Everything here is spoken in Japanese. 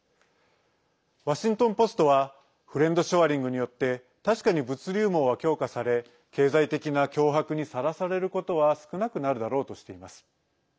ワシントン・ポストはフレンドショアリングによって確かに物流網は強化され経済的な脅迫にさらされることは少なくなるだろうとしています。